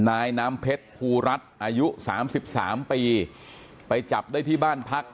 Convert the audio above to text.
นายน้ำเพชรภูรัฐอายุสามสิบสามปีไปจับได้ที่บ้านพัก